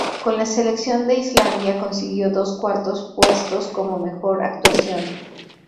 Con la selección de Islandia consiguió dos cuartos puestos como mejor actuación.